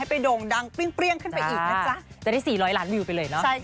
ได้ยังไง